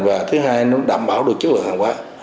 và thứ hai nó đảm bảo được chất lượng hàng hóa